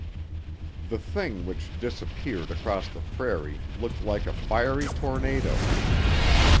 The "Thing," which disappeared across the prairie, looked like a "fiery tornado."